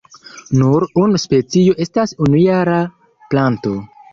Nur unu specio estas unujara planto.